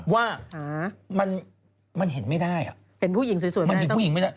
ว่ามันเห็นไม่ได้มันเห็นผู้หญิงไม่ได้